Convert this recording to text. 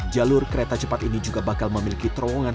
jalur kereta cepat ini juga bakal memiliki terowongan